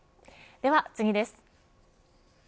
では次です。